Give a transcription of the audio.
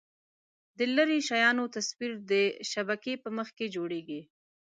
د لیرې شیانو تصویر د شبکیې په مخ کې جوړېږي.